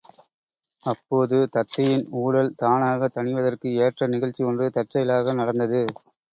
அப்போது தத்தையின் ஊடல் தானாகத் தணிவதற்கு ஏற்ற நிகழ்ச்சி ஒன்று தற்செயலாக நடந்தது.